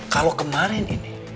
kalau kemarin ini